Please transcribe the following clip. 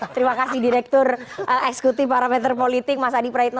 terima kasih direktur eksekutif parameter politik mas adi praitno